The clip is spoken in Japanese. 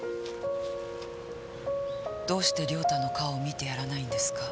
どうして良太の顔を見てやらないんですか？